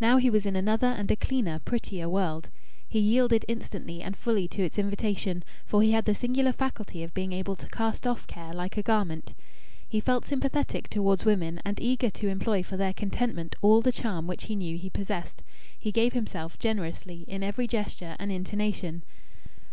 Now he was in another and a cleaner, prettier world. He yielded instantly and fully to its invitation, for he had the singular faculty of being able to cast off care like a garment. He felt sympathetic towards women, and eager to employ for their contentment all the charm which he knew he possessed. He gave himself, generously, in every gesture and intonation.